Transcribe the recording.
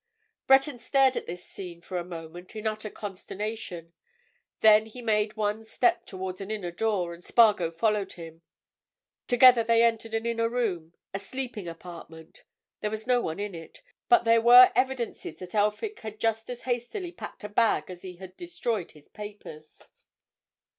Breton stared at this scene for a moment in utter consternation. Then he made one step towards an inner door, and Spargo followed him. Together they entered an inner room—a sleeping apartment. There was no one in it, but there were evidences that Elphick had just as hastily packed a bag as he had destroyed his papers.